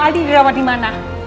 aldi dirawat di mana